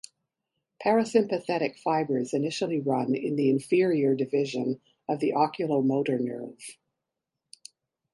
Parasympathetic fibers initially run in the "inferior division" of the oculomotor nerve.